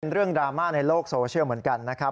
เรื่องดราม่าในโลกโซเชียลเหมือนกันนะครับ